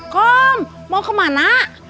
kom mau kemana